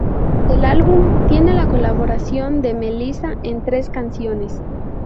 El álbum tiene la colaboración de Melissa en tres canciones.